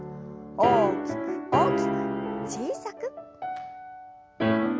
大きく大きく小さく。